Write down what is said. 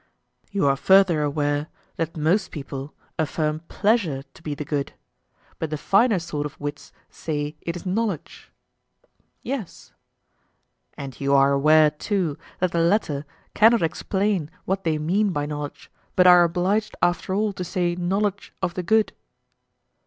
You are further aware that most people affirm pleasure to be the good, but the finer sort of wits say it is knowledge? Yes. And you are aware too that the latter cannot explain what they mean by knowledge, but are obliged after all to say knowledge of the good?